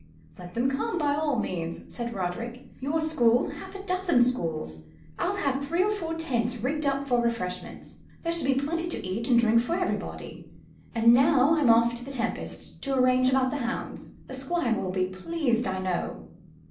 "Let them come, by all means," said Roderick; "your school half a dozen schools. I'll have three or four tents rigged up for refreshments. There shall be plenty to eat and drink for everybody. And now I'm off to the Tempests' to arrange about the hounds. The Squire will be pleased, I know."